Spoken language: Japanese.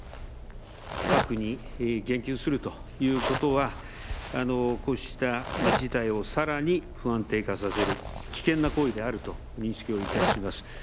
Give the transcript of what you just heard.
核に言及するということは、こうした事態をさらに不安定化させる、危険な行為であると認識をいたします。